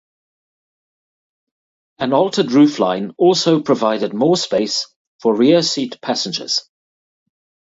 An altered roofline also provided more space for rear-seat passengers.